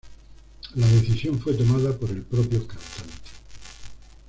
La decisión fue tomada por el propio cantante.